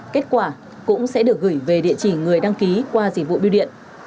kết quả cũng sẽ được gửi về địa chỉ người đăng ký qua dịch vụ biêu điện